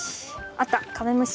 あったカメムシ。